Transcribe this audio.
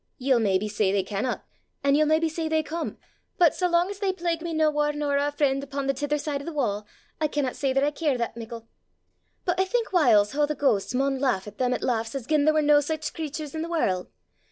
Ye'll maybe say they canna, an' ye'll maybe say they come; but sae lang as they plague me nae waur nor oor freen' upo' the tither side o' the wa', I canna say I care that mickle. But I think whiles hoo thae ghaists maun lauch at them that lauchs as gien there was nae sic craturs i' the warl'!